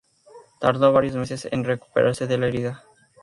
Tardó varios meses en recuperarse de la herida.